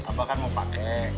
abah kan mau pakai